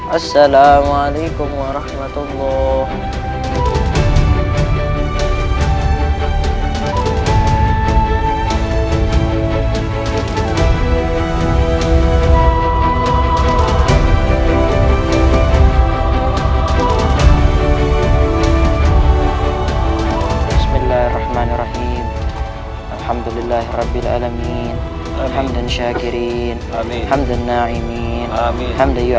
assalamualaikum warahmatullahi wabarakatuh